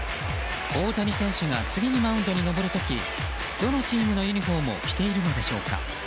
大谷選手が次のマウンドに登る時どのチームのユニホームを着ているのでしょうか。